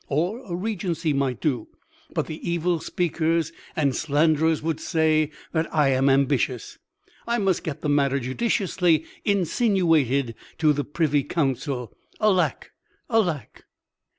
Or a regency might do. But the evil speakers and slanderers would say that I am ambitious. I must get the matter judiciously insinuated to the Privy Council. Alack! alack!"